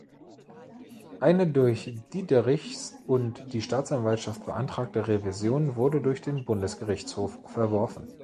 Eine durch Diederichs und die Staatsanwaltschaft beantragte Revision wurde durch den Bundesgerichtshof verworfen.